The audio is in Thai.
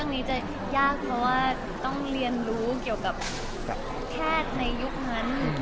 งานที่ต้องเรียนรู้แบบพธนาทสินค้าในปีนั้น